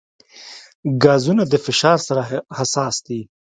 ګازونه د فشار سره حساس دي.